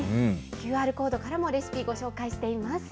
ＱＲコードからもレシピ、ご紹介しています。